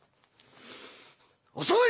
遅い！